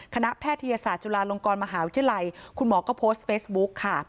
แพทยศาสตร์จุฬาลงกรมหาวิทยาลัยคุณหมอก็โพสต์เฟซบุ๊กค่ะ